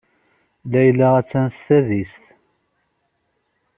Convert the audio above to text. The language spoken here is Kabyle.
Layla attan s tadist.